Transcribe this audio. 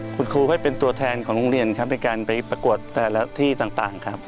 คุณครูก็เป็นตัวแทนของโรงเรียนครับในการไปประกวดแต่ละที่ต่างครับ